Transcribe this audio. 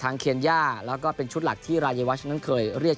ทางเครียญยาแล้วก็เป็นชุดหลักที่รายยาวชั้นเคยเรียก